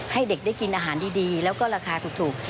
ให้เด็กได้กินอาหารดีแล้วก็ราคาถูก